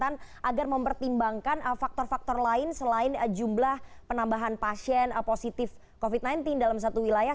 agar mempertimbangkan faktor faktor lain selain jumlah penambahan pasien positif covid sembilan belas dalam satu wilayah